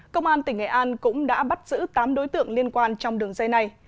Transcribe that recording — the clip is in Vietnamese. công an tỉnh nghệ an cũng đã bắt giữ tám đối tượng liên quan trong đường dây này